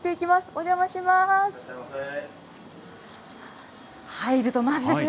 お邪魔します。